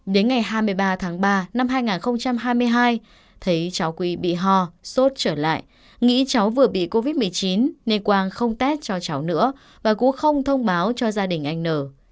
đến ngày hai mươi ba tháng ba năm hai nghìn hai mươi hai thấy cháu quý bị ho sốt trở lại nghĩ cháu vừa bị covid một mươi chín nên quang không test cho cháu nữa và cú không thông báo cho gia đình anh n